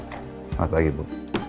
selamat pagi bu